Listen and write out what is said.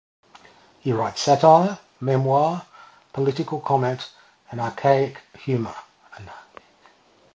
He writes satire, memoir, political comment and anarchic humor.